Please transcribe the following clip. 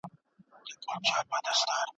ناول د فرانسې د انقلاب صحنې هم لري.